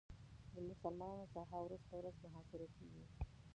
د مسلمانانو ساحه ورځ په ورځ محاصره کېږي.